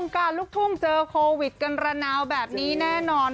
การลูกทุ่งเจอโควิดกันระนาวแบบนี้แน่นอน